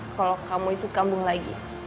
kalau kamu itu kambung lagi